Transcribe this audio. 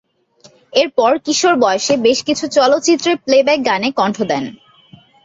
এরপর কিশোর বয়সে বেশ কিছু চলচ্চিত্রে প্লেব্যাক গানে কন্ঠ দেন।